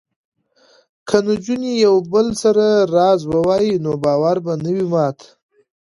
که نجونې یو بل سره راز ووايي نو باور به نه وي مات.